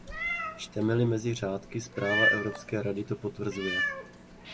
Čteme-li mezi řádky, zpráva Evropské rady to potvrzuje.